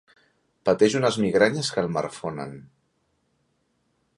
Pateix unes migranyes que el marfonen.